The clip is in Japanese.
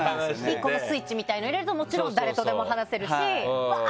１個のスイッチみたいなのを入れるともちろん誰とでも話せるしうわぁ！